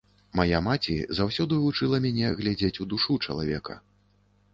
Мая маці заўсёды вучыла мяне глядзець у душу чалавека.